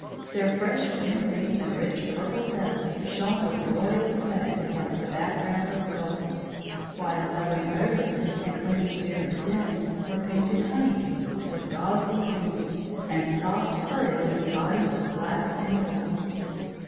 Their fresh green leaves and rich purple petals shone with royal effect against the background of gold; while hovering over them, and clinging to their stems, were painted honey bees, with gauzy wings, and soft, furry looking bodies of black and gold.